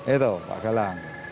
itu pak galang